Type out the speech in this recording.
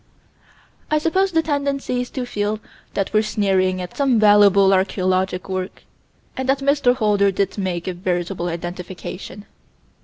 I suppose the tendency is to feel that we're sneering at some valuable archaeologic work, and that Mr. Holder did make a veritable identification.